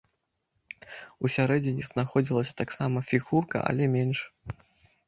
Усярэдзіне знаходзілася таксама фігурка, але менш.